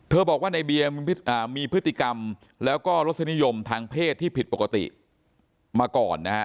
บอกว่าในเบียร์มีพฤติกรรมแล้วก็รสนิยมทางเพศที่ผิดปกติมาก่อนนะฮะ